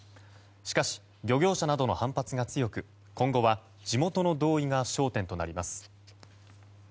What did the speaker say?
しかし、漁業者などの反発が強く今後は地元の同意などが焦点となります。